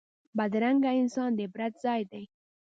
بدرنګه انسان د عبرت ځای وي